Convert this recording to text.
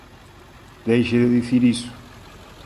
Deixe de dicir iso.